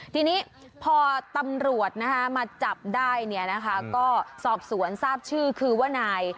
ทีนี้พอตำรวจมาจับได้เนี่ยนะคะก็สอบสวนทราบชื่อคือว่านาย